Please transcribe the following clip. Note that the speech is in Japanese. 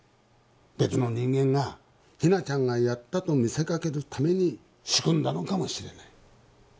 別の人間が日名ちゃんがやったと見せかけるために仕組んだのかもしれない。